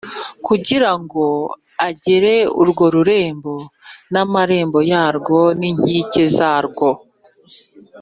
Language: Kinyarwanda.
kugira ngo agere urwo rurembo n’amarembo yarwo n’inkike zarwo.